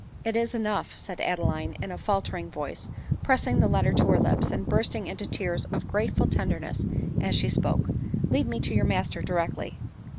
" It is enough," said Adeline in a faltering voice, pressing the letter to her lips, and bursting into tears of grateful tenderness as she spoke ;" Lead me to your master directly."